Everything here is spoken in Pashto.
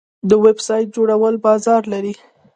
د ویب سایټ جوړول بازار لري؟